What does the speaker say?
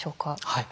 はい。